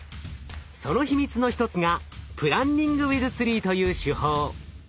その秘密の一つがプランニングウィズツリーという手法。